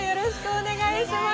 お願いします。